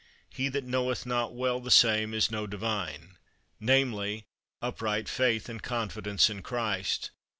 He that knoweth not well the same is no divine: namely, upright faith and confidence in Christ.